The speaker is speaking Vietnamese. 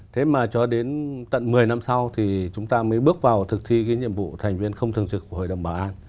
thế mà cho đến tận một mươi năm sau thì chúng ta mới bước vào thực thi cái nhiệm vụ thành viên không thường trực của hội đồng bảo an